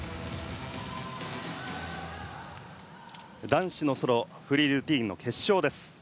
男子のソロフリールーティンの決勝。